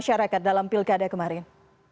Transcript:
masyarakat dalam pilkada kemarin